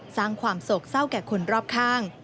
สร้างความโศกเศร้าแก่คนรอบข้าง